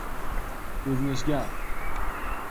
گزینشگر